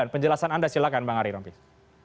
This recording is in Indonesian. penjelasan anda silakan pak ari rompas